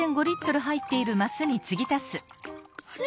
あれ？